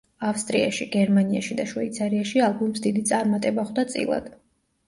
ავსტრიაში, გერმანიაში და შვეიცარიაში ალბომს დიდი წარმატება ხვდა წილად.